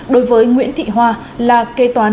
đối với nguyễn thị hoa là kê toán